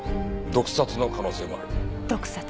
毒殺。